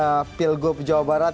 pak mungkas pilgo pejawa barat